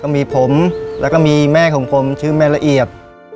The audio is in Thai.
มีผมแล้วก็มีแม่ของผมชื่อแม่ละเอียด